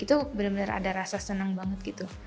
itu benar benar ada rasa senang banget gitu